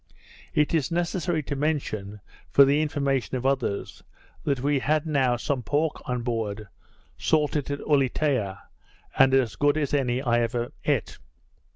It is necessary to mention, for the information of others, that we had now some pork on board, salted at Ulietea, and as good as any I ever eat.